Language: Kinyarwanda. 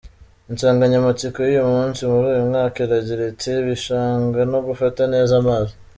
Insanganyamatsiko y’uyu munsi muri uyu mwaka iragira iti « ibishanga no gufata neza amazi ».